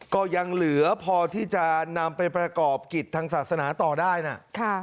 ก็ยังเหลือพอที่จะนำไปประกอบกิจทางศาสนาต่อได้นะ